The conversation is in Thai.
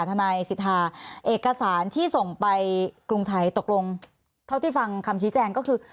ทนายสิทธาเอกสารที่ส่งไปกรุงไทยตกลงเท่าที่ฟังคำชี้แจงก็คือ